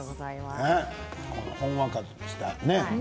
ほんわかしたね